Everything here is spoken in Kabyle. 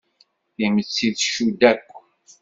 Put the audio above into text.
Timetti tcudd akk.